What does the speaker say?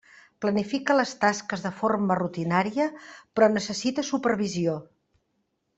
Planifica les tasques de forma rutinària però necessita supervisió.